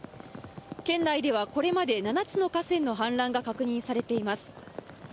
県内ではこれまで、７つの河川の氾濫が確認されています。